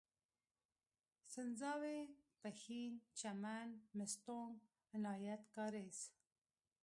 سنځاوۍ، پښين، چمن، مستونگ، عنايت کارېز